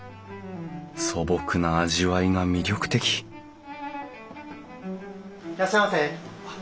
素朴な味わいが魅力的いらっしゃいませ。